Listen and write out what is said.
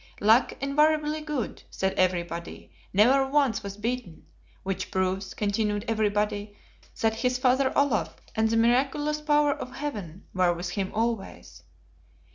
Luck invariably good, said everybody; never once was beaten, which proves, continued everybody, that his Father Olaf and the miraculous power of Heaven were with him always.